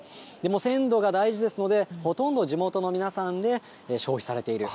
鮮度が大事ですので、ほとんど地元の皆さんで消費されていると。